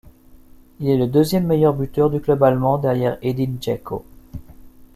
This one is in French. Il est le deuxième meilleur buteur du club allemand derrière Edin Džeko.